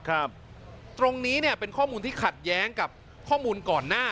ตรงนี้เนี่ยเป็นข้อมูลที่ขัดแย้งกับข้อมูลก่อนหน้า